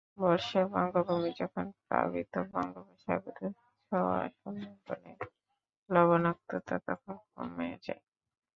বর্ষায় বঙ্গভূমি যখন প্লাবিত, বঙ্গোপসাগর ছোঁয়া সুন্দরবনের লবণাক্ততা তখন কমে যায়।